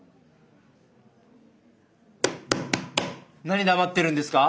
何黙ってるんですか？